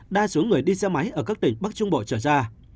đa số người đi xe máy ở các tỉnh bắc trung bộ trở ra